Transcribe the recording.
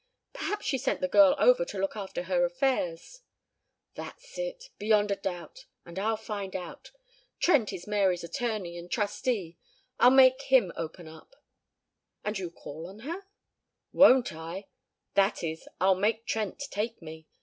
"Perhaps she sent the girl over to look after her affairs." "That's it. Beyond a doubt. And I'll find out. Trent is Mary's attorney and trustee. I'll make him open up." "And you'll call on her?" "Won't I? That is, I'll make Trent take me.